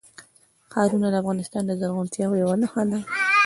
ښارونه د افغانستان د زرغونتیا یوه نښه ده.